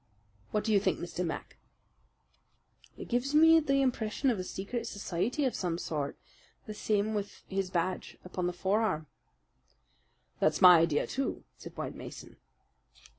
"What do you think, Mr. Mac?" "It gives me the impression of a secret society of some sort; the same with his badge upon the forearm." "That's my idea, too," said White Mason.